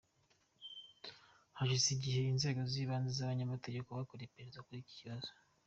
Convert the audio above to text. Hashize igihe inzego z’ ibanze n’ abanyamategeko bakora iperereza kuri iki kibazo.